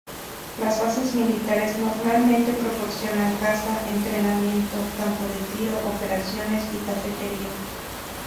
Las bases militares normalmente proporcionan casa, entrenamiento, campo de tiro, operaciones y cafetería.